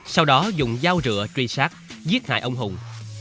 sau đó dùng dao rửa truy sát giết hại ông hùng